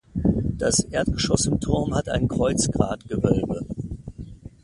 Das Erdgeschoss im Turm hat ein Kreuzgratgewölbe.